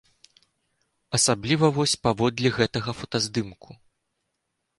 Асабліва вось паводле гэтага фатаздымку.